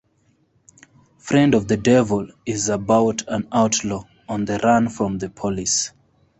"Friend of the Devil" is about an outlaw, on the run from the police.